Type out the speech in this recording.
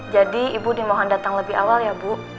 jadi ibu dimohon datang lebih awal ya bu